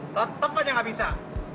tetep aja gak bisa